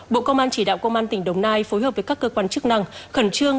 bộ công an chỉ đạo công an tỉnh đồng nai phối hợp với các cơ quan chức năng khẩn trương